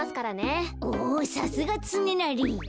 おさすがつねなり。